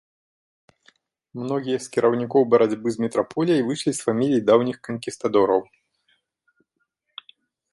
Многія з кіраўнікоў барацьбы з метраполіяй выйшлі з фамілій даўніх канкістадораў.